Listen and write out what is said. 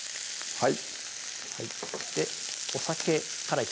はい